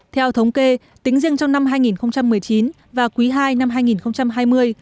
theo thống kê tính riêng trong năm hai nghìn một mươi chín và quý ii năm hai nghìn hai mươi